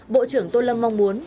bộ trưởng tô lâm mong muốn